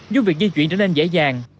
giúp việc di chuyển trở nên dễ dàng